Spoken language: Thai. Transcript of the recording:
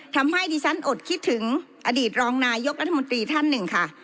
ทำให้ดิฉันอดคิดถึงอดีตรองนายกรัฐมนตรีท่านหนึ่งค่ะ